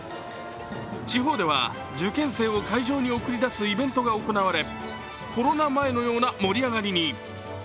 地方では受験生を会場に送り出すイベントが行われ、コロナ前のような盛り上がりに。